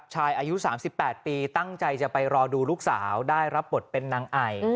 อายุ๓๘ปีตั้งใจจะไปรอดูลูกสาวได้รับบทเป็นนางไอ